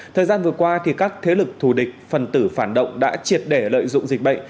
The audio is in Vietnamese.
thời gian vừa qua các thế lực thù địch phần tử phản động đã triệt để lợi dụng dịch bệnh